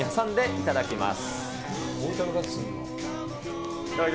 いただきます。